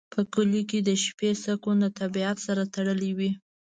په کلیو کې د شپې سکون د طبیعت سره تړلی وي.